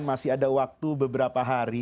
masih ada waktu beberapa hari